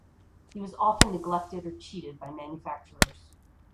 He was often neglected or cheated by manufacturers.